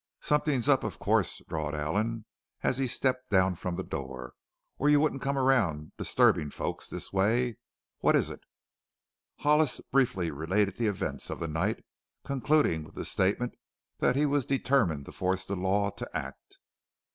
"Something's up, of course," drawled Allen as he stepped down from the door, "or you wouldn't come around disturbing folks this way. What is it?" Hollis briefly related the events of the night, concluding with the statement that he was determined to force the law to act.